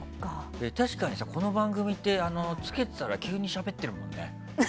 確かにさ、この番組ってつけてたら急にしゃべってるもんね。